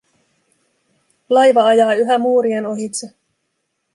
Laiva ajaa yhä muurien ohitse.